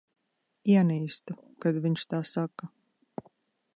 Ienīstu, kad viņš tā saka.